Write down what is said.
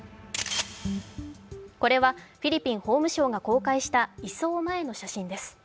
これはフィリピン法務省が公開した移送前の写真です。